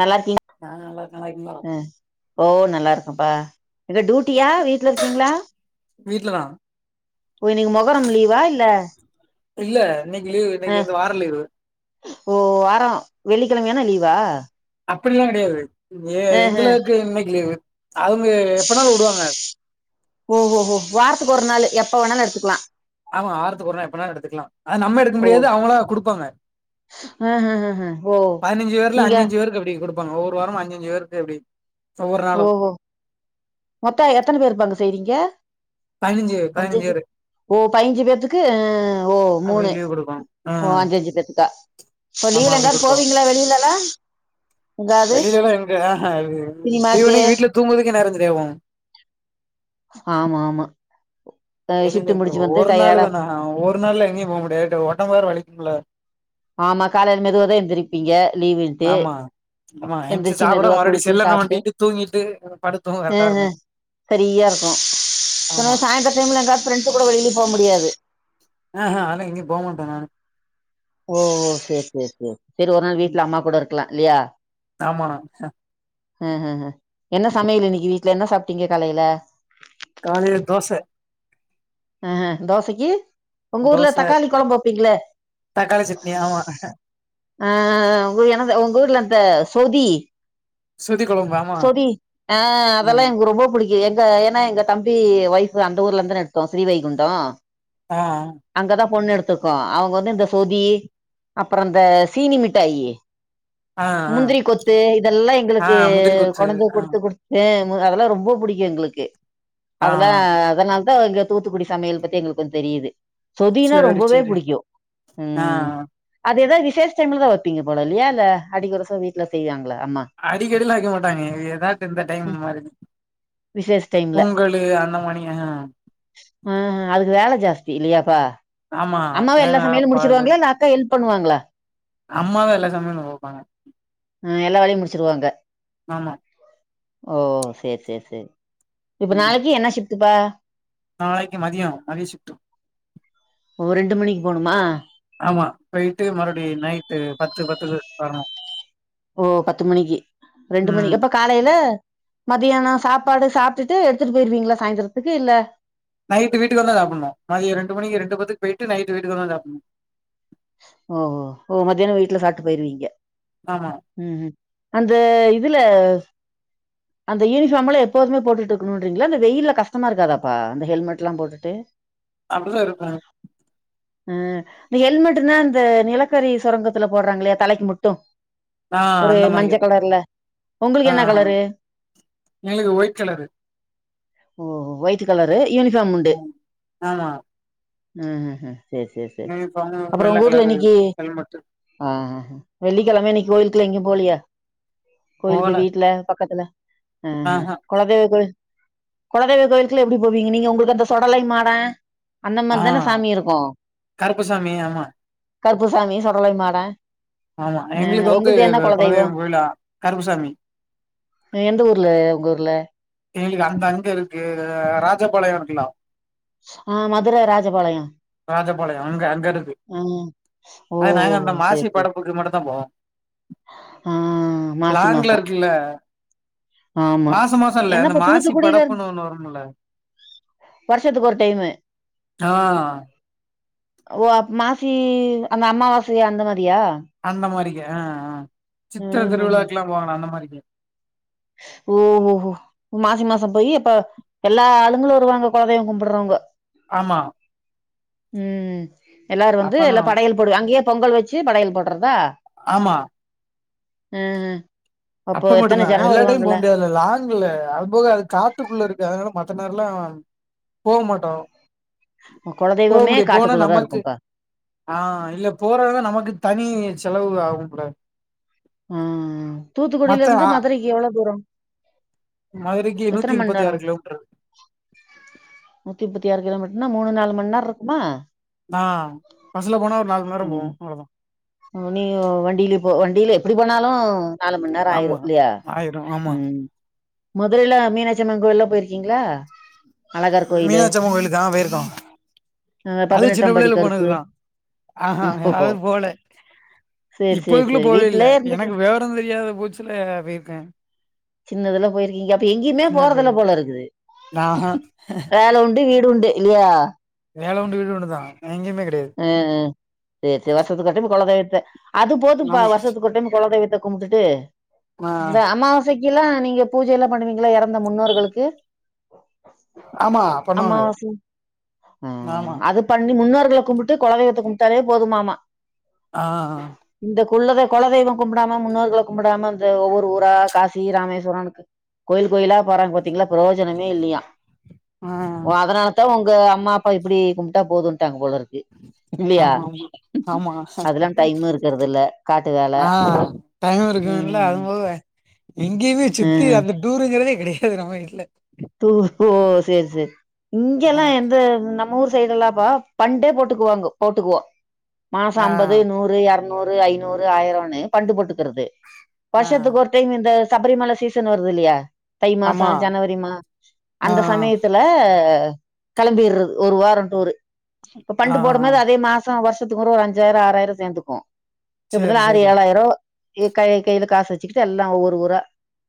நல்லா இருக்கிங் நா நல்லார்க்கே நல்லா இருக்கிங்களா அ ஓ நல்லா இருக்கேம்ப்பா எங்க டூட்டியா வீட்ல இருக்கிங்ளா வீட்ல தா ஓ இன்னைக்கு மொஹரம் லீவா இல்ல இல்ல இன்னைக்கு லீவ் அ இன்னைக்கு வந்து வார லீவு ஓ வாரோ வெள்ளிக்கெழமையானா லீவா அப்பிட்லா கெடையாது எ அஹ எங்களுக்கு இன்னைக்கு லீவு அவுங்க எப்பனாலு உடுவாங்க ஓ ஓ ஓ வார்த்தக்கு ஒரு நாளு எப்ப வேணாலு எடுத்துக்குலா ஆமா வாரத்துக்கொரு நாள் எப்ப வெனாலு எடுத்துக்குலா அ நம்ம எடுக்க ஓ முடியாது அவுங்களா குடுப்பாங்க அஹ அஹ ஓ பதினஞ்சு பேர்ல நீங்க அஞ்சஞ்சு பேருக்கு அப்டி குடுப்பாங்க ஒவ்வொரு வார அஞ்சஞ்சு பேருக்கு அப்டி ஒவ்வொரு நாளு ஓஹோ மொத்தோ எத்தன பேர்ப்பா அங்க செய்றீங்க பதினஞ்சு பேர் பதினஞ்சு அஞ்சஞ்சு பேரு ஓ பயிஞ்சு பேத்துக்கு ஓ அப்டி மூணு லீவு குடுப்பாங்க ஆ ஓ அஞ்சு அஞ்சு பேத்துக்கா இப்ப ஆமா லீவுல எங்காது போவீங்களா வெளிலலா வெளியிலல்லா எங்க சினிமாக்கு ஈவ்னிங் வீட்ல தூங்குதுக்குகே நேரோ செரியா போவோ ஆமா ஆமா அ ஷிஃப்ட்டு முடிச்சு வந்து டையர்டா ஆ ஒரு நாள்ல எங்கேயு போ முடியாது ஒடம்புலா வலிக்கும்ல ஆமா காலைல மெதுவாதா எந்திருப்பீங்க லீவுன்ட்டு ஆமா ஆமா ஏன்ச்சு எந்திரிச்சு சாப்பட மெதுவா மறுபடியு குளிச்சு செல்ல சாப்ட்டு நோன்டிட்டு தூங்கிட்டு படுத்தூங்க அ கரெக்டா அ இருக்கோ சரியா இருக்கோ சில ஆமா நேர சாயந்தர டைம்ல எங்காது ஃப்ரெண்ட்ஸ் கூட வெளியில போ முடியாது ஆஹா அதுலா எங்கயு போமாட்ட நானு ஓ ஓ சேர் சேர் சேர் சரி ஒரு நாள் ம். வீட்ல அம்மா கூட இருக்குலா இல்லையா ஆமா அ அ அ என்ன சமையல் இன்னிக்கு வீட்ல என்ன சாப்ட்டீங்க காலையில காலையில தோச அ தோசைக்கு உங்க ஊர்ல தோச தக்காளி கொழம்பு வப்பீங்களே தக்காளி சட்னி ஆமா அ அ உ எனது உங்க ஊர்ல அந்த சொதி சொதி கொழம்பா சொதி ஆ அதெல்லா எனக்கு ரொம்போ புடிக்கு எங்க எனா எங்க தம்பி ஒய்ஃபு அந்த ஊர்ல இந்தன எடுத்தோ ஸ்ரீ வைகுண்டோ அ அங்கதா பொண்ணு எடுத்துர்க்கோ அவுங்க வந்து இந்த சொதி அப்பறோ அந்த சீனி மிட்டாயி ஆ ஆ முந்திரிக் கொத்து இதெல்லா ஆ எங்குளுக்கு முந்திரி கொத்து கொனந்து ஆ குடுத்து குடுத் அ மு அதெலா ரொம்போ புடிக்கு எங்ளுக்கு ஆ அதலா அதனால்தா இங்கப் தூத்துக்குடி சமையல் பத்தி எங்களுக்கு வந் தெரியிது சொதினா சேரி ரொம்பவே சேரி புடிக்கும் ஆ ம் அது எதா விசேஷ டைம்லதா வப்பீங்க போல இல்லியா இல்ல அடிக்கொரசோ வீட்ல செய்வாங்ளா அம்மா அடிக்கடிலா வெக்க மாட்டாங்க எதாவ் இந்த டைம் மாரி விசேஷ் டைம் பொங்கலு அந்த மானியேங்க ம் அதுக்கு வேல ஜாஸ்தி இல்லியாப்பா ஆமா அம்மாவே எல்லா தேங்கா சமையலு முடிச்சிருவாங்ளா இல்ல அக்கா ஹெல்ப் பண்ணுவாங்ளா அம்மாவே எல்லா சமையலு பாப்பாங்க அ எல்லா வேலையும் முடிச்சுருவாங்க ஆமா ஓ சேர் சேர் சேர் இப்ப நாளைக்கி என்ன ஷிப்ட்டுப்பா நாளைக்கும் ஒ ரெண்டு மணிக்கு போணுமா ஆமா போயிட்டு மறுப்டி நைட்டு பத்து பத்துக்கு வரணு ஓ பத்து மணிக்கு ரெண்டு மணிக்கு ம் எப்பக் காலைல மதியானோ சாப்பாடு சாப்ட்டுட்டு எடுத்துட்டு போயிருவீங்ளா சாய்ந்திரத்துக்கு இல்ல நைட்டு வீட்டுக்கு வந்தா சாப்புன்னு மதிய ரெண்டு மணிக்கு ரெண்டு பத்துக்கு போயிட்டு நைட்டு வீட்டுக்கு வந்தா சாப்புன்னு ஓ ஓ மதியானோ வீட்ல சாப்ட்டு போயிருவீங்க ஆமா ம் அந்த இதுல அந்த யூனிஃபார்ம்லா எப்போதுமே போட்டுட்டு இக்குன்றீங்களா இந்த வெயில்ல கஷ்டமா இருக்காதாப்பா அந்த ஹெல்மெட்லாம் போட்டுட்டு அப்டிதா இருக்குனு அ இந்த ஹெல்மெட்டுனா இந்த நிலக்கரி சொரங்கத்துல போர்றாங்ளே தலைக்கு மட்டு ஆ ஒரு அந்த மஞ்ச மாரிக்குதா கலர்ல உங்குளுக்கு என்னா கலரு எங்ளுக்கு ஓய்ட் கலரு ஓ ஒயிட்டு கலரு யூனிஃபார்ம் உண்டு ம் ஆமா ம் ம் ம் சேரி சேரிச் யூனிஃபார்மு வெள்ள கலரு ஹெல்மெட்டு ஆ வெள்ளிக்கெழம இன்னிக்கி கோயிலுக்லா எங்கியும் போலியா கோயிலுக்கு போகல வீட்ல பக்கத்துல அ ஆஹா கொலதெய்வ கோயில் கொலதெய்வக் கோயிலுக்லா எப்டி போவீங்க நீங்க உங்குளுக்கு அந்த சொடலை மாடே அந்த ஆ மாரிதான சாமி இருக்கு கருப்புசாமி ஆமா கருப்பசாமி சொடலை மாடே ஆமா ஆ எங்குளுக்கு வந்து உங்கள்து என்ன குலதெய்வோ கொலதெய்வங் கோயிலா கருப்பசாமி அ எந்த ஊர்ல உங்கூர்ல எங்குளுக்கு அந்த அங்க இருக்கு ராஜபாளையோ இருக்குல்லா ஆ மதுர ராஜபாளையோ ராஜபாளையோ அங்க அங்க இருக்கு ஓ ஆயா நாங்க அந்த சேரி மாசி சேரி படப்புக்கு மட்டுந்தா போவோ ஆ மாசி லாங்ல மாசோ இருக்குல்ல ஆமா மாசோ மாசோ இல்ல இந்த என்னப்ப மாசிப் தூத்துக்குடியில இருந்து படப்புணு ஒன்னு வரும்மில்ல வருஷத்துக்கு ஒரு டைமு ஆ ஓ அம்மாசி அந்த அம்மாவாசி அந்த மாரியா அந்த மாரிக அ அ சித்திர ம் ம் திருவிழாக்குலா போவாங்கல அந்த மாரிக ஓ ஒ ஒ மாசி மாசோ போயி அப்ப எல்லா ஆளுங்களு வருவாங்க குலதெய்வம் கும்பிட்றவங்க ஆமா ம் எல்லாரு வந்து அப்பதா எல்லா படையல் போடுவ அங்கேயே பொங்கல் வச்சு படையல் போட்றதா ஆமா ம் ம் அப்போ எத்தன ஜனோ வருவாங்கள லாங்குல அதுபோக அது காட்டுக்குள்ள இருக்கு அதனால மத்த நேரலா போவ் மாட்டோ போவ் குலதெய்வமே முடியாத் போனா காட்டுக்குள்ளதா நம்மக்கு இருக்கும்ப்பா ஆ இல்ல போறதுனா நமக்கு தனி செலவு ஆகும் பொல ம் ம் மத்த தூத்துக்குடிலருந்து ஆ மதுரைக்கு எவ்ளோ தூரம் மதுரைக்கு எத்தன நூத்தி மணி முப்பத்தி நேரோ ஆறு கிலோமீட்டர் நூத்திமுப்பத்தாறு கிலோ மீட்டர்னா மூணு நாலு மணி நேரோ இருக்குமா ஆ பஸ்சுல போனா ஒரு நாலு மணி நேரோ போவோம் அவ்ளோ தா நீங்க வ வண்டிலே போ வண்டிலே எப்டி போனாலு நாலு மணி நேரோ ஆயிரோ ஆமா இல்லியா ஆயிரு ஆமா ம் மதுரைல மீனாட்சி அம்மன் கோயில்லா போய்ர்க்கீங்ளா மீனாட்சி அம்மன் கோயிலுக்கா ஆ போய்ருக்கோ அதுவு சின்ன பதினெட்டாம் படி பிள்ளையில கருப்பு போனதுதா அ அ ஓஹோ! யாருமே போல சரி, சரி, இப்போய்க்குள்ள சரி. போவே இல்ல வீட்லயே எனக்கு இருந்துக்குறீங்க. வெவரோ தெரியாத பூச்சுல போய்ர்க்க சின்னதுல போய்ருக்கீங்க இப்ப எங்கேயுமே சின்ன போறதுல பயலுல. போல இருக்குது நான் ஆஹா வேல உண்டு வீடு உண்டு இல்லியா வேல உண்டு வீடு உண்டு தா எங்கேயுமே கெடயாது ம் ம் செர் செ வருஷத்துக்கு ஒரு டைம் கொலதெய்வத்த அது போதும்பா ஆமா. வருஷத்துக்கு ஒரு டைம் கொலதெய்வத்த கும்டுட்டு ஆ இந்த அமாவாசைகெல்லா நீங்க பூஜல்லா பண்ணுவீங்களா எறந்த முன்னோர்களுக்கு ஆமா பண்ணுவாங்க. அமாவாசி ம் ஆமா. அது பண்ணி முன்னோர்கள கும்புட்டு கொலதெய்வத்த கும்ட்டாலே போதுமாமா ஆ அ இந்த குள்ளத கொலதெய்வோ கும்டாம முன்னோர்கள கும்முடாம இந்த ஒவ்வொரு ஊரா காசி ராமேஸ்வரோன் கோயில் கோயிலா போறாங் பாத்தீங்ளா ப்ரோஜனமே இல்லியா ஆ ஆமா, ஓ அதனாலதா உங்க அம்மா அப்பா இப்டி கும்ட்டா போதும்ட்டாங்க போலருக்கு இல்லியா ஆமா. ஆமா. அதெல்லா டைம்மு இருக்கறது இல்ல காட்டு வேல டைம்மு இருக்குர்த்ல ம் அது போக எங்கேயுமே சுத்தி ம் அந்த டூருங்கறதே கெடயாது நம்ம வீட்ல டூர் ஓ சேர் சேரி இங்கெல்லா எந்த நம் மூர் சைடுலாம்ப்பா பண்டே போட்டுக்குவாங்க போட்டுக்குவோ மாசோ ஆ அம்பது நூற் று எர்நூறு ஐநூறு ஆயிரனு பண்டு போட்டுக்கிறது ஆ வருஷத்துக்கு ஒருத் டைம் இந்த சபரிமலை சீசன் வருது இல்லியா தை மாசோ ஆமா. ஜனவரி மா ஆ அந்த சமையத்துல ல கெளம்பிர்றது ஒரு வாரோ டூரு இப்ப ஆ பண்டு போடும் மோது அதே மாஸ் சோ வருஷத்துக்கு ஒரு அஞ்சாயிரோ ஆறாயிரோ சேந்துக்குவோ சரி, எப்பதாலு ஆறு சரி. ஏலாயிரோ இ கை கைல காசு வச்சுக்கிட்டு எல்லா ஒவ்வொரு ஊரா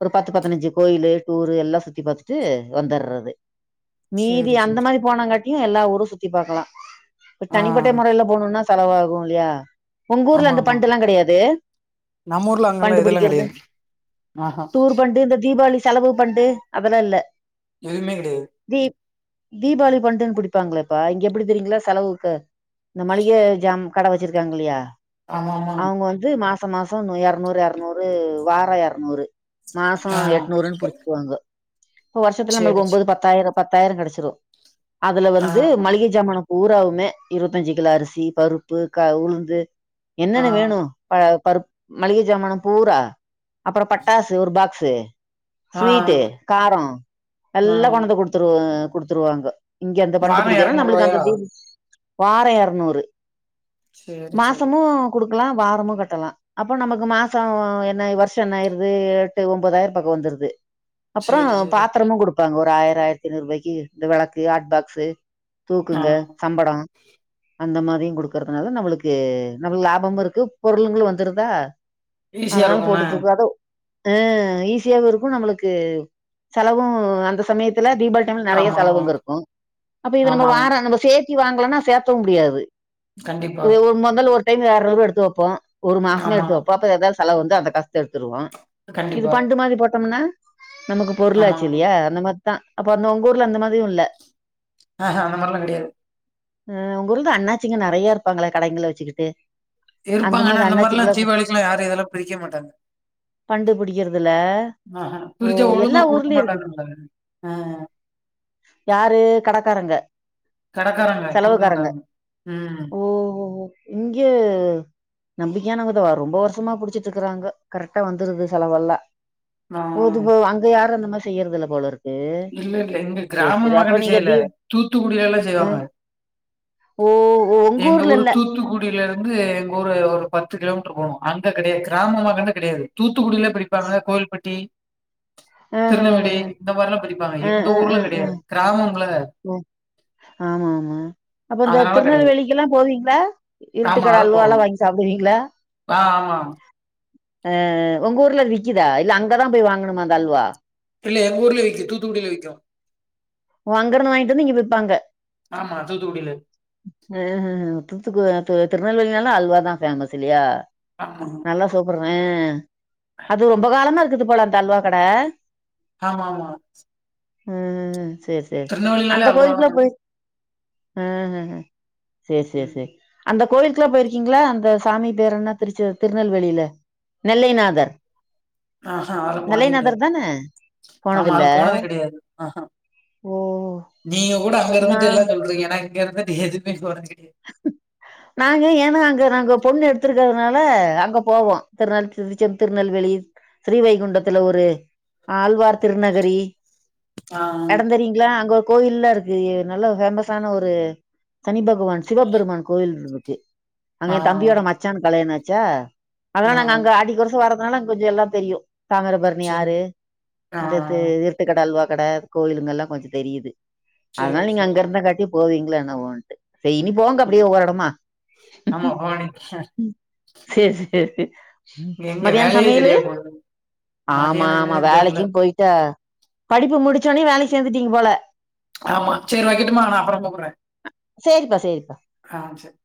ஒரு பத்து பத்துனஞ்சு கோயிலு டூரு எல்லா சுத்தி பாத்துட் ட்டு வந்தறது மீதி சரி, அந்த சரி. மாரி போனாங்காட்டியு எல்லா ஊரும் சுத்தி பாக்கலா இப் ஆ தனிப்பட்ட மொறைல போணுனா செலவாகும் இல்யா உங்கூர்ல அந்த ஆமாமா. பண்டுல்லா கெடயாது நம்ம ஊர்ல பண்டு அங்கெல்லாம் இதெல்லாம் பிடிக்கிறது கிடையாது. ஆஹா. டூர் பண்டு இந்த தீபாளி செலவு பண்டு அதெல்லா இல்ல எதுமே கெடையாது தீப் தீபாளி ஃபண்டுன்னு பிடிப்பாங்களேப்பா இங்க எப்டி தெரியிங்களா செலவுக்கு இந்த மளிக ஜாம் கட வச்சிருக்காங்க இல்லையா ஆமா ஆமா அவங்க வந் து மாசோ மாசோ இரநூறு இரநூறு வாரோ இரநூறு மாசோ ஆ எட்நூறுன்னு புடிச்சுக்குவாங்க இப்ப வருஷத்துல நம்மளுக்கு சேரி சே ஒன்பது பத்தாயிரம் பத்தாயிரங் கெடச்சிரு அதுல வந்து ஆமா மளிகை ஜாமானோ பூராவுமே இருபத்தஞ்சு கிலோ அரிசி பருப்பு கா உளுந்து ஆ என்னென்ன வேணு ப பருப் மளிகை ஜாமனம் பூரா அப்புறோ பட்டாசு ஒரு பாக்ஸு ஆ ஸ்வீட்டு காரோ ஆ எல்லா கொணந்து குடுத்துரு குடுத்துருவாங்க இங்க அந்த வாரோ ஃபண்டுபிடிக்கிறோ நம்மளுக்கு எரநூறுவாயா அந்த தீ வாரோ இரநூறு சேரி சேரி மாசமு குடுக்கலா வாரமு கட்டலா அப்போ நமக்கு மாசோ என்னாய் வர்ஷோ என்ன ஆயிருது எட்டு ஒன்பதாயிரோ பக்கோ வந்துருது அப்பறோ சேரி சேரி பாத்திரமு கொடுப்பாங்க ஒரு ஆயிரோ ஆயிரத்தி ஐநூறுரூபாய்க்கு இந்த வெளக்கு ஹாட் பாக்ஸு ஆ தூக்குங்க சம்படோ அந்த மாரி குடுக்குறதுனாலா நம்மளுக்கு நம்மளுக்கு லாபமு இருக்கு பொருளுங்களு வந்துருதா ஈஸியா அதனால இருக்கும்ல போட்டுட்டு இருக்கோ அதோ ஆ ஈஸியாவு இருக்கு நம்மளுக்கு செலவு அந்த சமயத்துல தீபாவளி டைம்ல நெறைய ஆமா ஆமா செலவுங்க இருக்கு அப்ப இது நம்ம ஆமா வாரோ நம்ம சேத் தி வாங்கலனா சேத்தவு முடியாது கண்டிப்பா ஒரு மொதல் ஒரு டைம் இரனூரூபா எடுத்து வைப்போ ஒரு மாசோ ஆமா எடுத்து வப்போ அப்ப ஏதாவது செலவு வந்து அந்த காசத்தா எடுத்துருவோ இது கண்டிப்பா ஃபண்டு மாரி போட்டம்னா நமக்கு ஆமா பொருளாச்சு இல்லையா அந்த மாரிதா அப்ப அந்த உங்க ஊர்ல அந்த மாரியு இல்ல ஆ அந்த மாரில்லா கெடையாது அ உங்க ஊர்ல தா அண்ணாச்சிங்களா நெறைய இருப்பாங்களே கடைங்கள வச்சுக்கிட்டு இருப்பாங்க ஆனா மாதிரி அந்த மாதிரிலா அண்ணாச்சிங்களா தீபாவளிக்ககெல்லா யாரு இதல்லா பிடிக்க மாட்டாங்க ஃபண்டு பிடிக்கறதுல ஆ பிடிச்சா ஒழுங்கா கொடுக்க மாட்டாங்க ஆ யாரு கடக்காரங்க கடக்காராங்க குடுக்க செலவுக்காரங்க மாட்டாங்க ம் ஓ ஓ ஓ இங்க நம்பிக்கையானவங்கதா வரு ரொம்ப வருஷமா புடிச்சட்டு இருக்கறாங்க கரெக்டா வந்துருது செலவெல்லா ஆ போதுபோ அங்க யாரு அந்தமாரி செய்யறதுல போல இருக் இல்ல இல்ல எங்க கிராமமா கண்டு நீங்க செய்யல தி தூத்துக்குடியில எல்லா ஆ செய்வாங்க ஓ ஓ உங்க எங்க ஊர்ல ஊரு இல்ல தூத்துக்குட் விருந்து எங்க ஊரு ஒரு பத்து கிலோமீட்டர் போகணு அங்க கெடையாது கிராமமா கண்டு கெடையாது தூத்துக்குடியில படிப்பாங்க கோவில்பட்டி ஆ ஆ ஆ திருநெல்வேலி இந்த மாரிலா படிப்பாங்க எங்க ஊர்ல கெடையாது கிராமமல்ல ஒ ஆமா ஆமா அப்ப இந்த அதனால கெடையாது. திருநெல்வேலிக்கெல்லா போவீங்களா ஆமா இருட்டுக்கட அத அல்வாலா போகணும். வாங்கி சாப்டுவீங்களா ஆ ஆ அ அ உங்க ஊர்ல விக்குதா இல்ல அங்கதா போய் வாங்கணுமா அந்த அல்வா இல்ல எங்கூர்லயே விக்கு தூத்துக்குடிலயு விக்கு ஓ அங்கருந்து வாங்கிட்டு வந்து இங்க விப்பாங்க ஆமா தூத்துக்குடியில அ தூத்துக்கு திருநெல்வேலினாலே அல்வா தா ஃபேமஸ் இல்லையா ஆமா நல்லா சாப்பறே அது ரொம்ப காலமா இருக்குது போல அந்த அல்வா கடை ஆமா ஆமா ம் ம் சேர் சேர் திருநெல்வேலினாலே அந்த அல்வா கோயிலுக்குலாம் தான. போய் ஆ ஹ ஹ சேர் சேர் ம். சேர் அந்த கோயிலுக்குலாம் போயிருக்கீங்களா அந்த சாமி பேரென்ன திருச்சு திருநெல்வேலில நெல்லைநாதர் ஆஹா அதுல போனதே கெடையாது. நெல்லைநாதர் தான ஆமா போனதில்ல அது போனது கெடையாது. ஆஹா. ஓ நீங்க கூட அங்க சி நா இருந்துட்டு எல்லாம் பண்றீங்க நான் இங்க இருந்துட்டு எதுமே போறது கெடையாது நாங்க ஏன்னா அங்க நாங்க பொண்ணு எடுத்திருக்கறதுனால அங்க போவோம் திருநெல் திருச்சம் திருநெல்வேலி ஸ்ரீவைகுண்டத்துல ஒரு ஆழ்வார் திருநகரி ஆ. நடந்து வருவீங்களா அங்க கோயில்லாம் இருக்கு நல்ல ஃபேமஸ்ஸான ஒரு சனி பகவான் சிவபெருமான் கோயில் இரு இருக்கு அங்க ஆ. என் தம்பியோட மச்சானுக்கு கல்யாணம் ஆச்சா அதெல்லாம் ஆ. நாங்க அங்க அடிக்கொருக்க வரதுனால அங்க கொஞ்சம் எல்லாம் தெரியும் தாமிரபர ணி சரி. ஆறு அந்த தே ஆ. இது இருட்டுக்கடை அல்வா கடை கோயிலுங்கல்லாம் கொஞ்சம் தெரிது சரி, அதனால நீங்க சரி. அங்க இருந்தக்காட்டி போவீங்களோ என்னவோன்ட்டு இனி போங்க ம். அப்டியே ஒவ்வொரு எடமா ஆமா ம் பவானி சேர் சேர் எங்க மதியானம் வேலையே சமையலு சரியா போகுது. ஆமா மதியானம் ஆமா என்னன்னு தெர்ல. வேலைக்கும் போய் படிப்பு முடிச்சோனயே வேலைக்கு சேந்துட்டீங்க போல ஆமா சேரி வைக்கட்டுமா நான் அப்பறம் ம் கூப்புட்றேன் சேரிப்பா சேரிப்பா ஆ சேர்